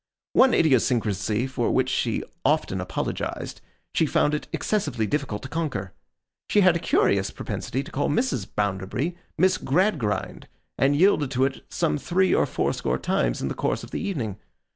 One idiosyncrasy for which she often apologized, she found it excessively difficult to conquer. She had a curious propensity to call Mrs. Bounderby 'Miss Gradgrind,' and yielded to it some three or four score times in the course of the evening.